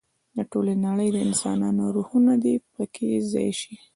د ټولې نړۍ د انسانانو روحونه دې په کې ځای شي.